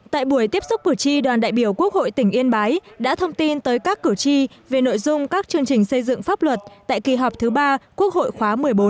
tại buổi tiếp xúc cử tri đoàn đại biểu quốc hội tỉnh yên bái đã thông tin tới các cử tri về nội dung các chương trình xây dựng pháp luật tại kỳ họp thứ ba quốc hội khóa một mươi bốn